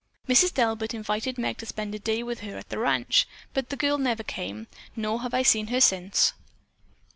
Mrs. Delbert invited Meg to spend a day with her at the ranch, but the girl never came, nor have I seen her since."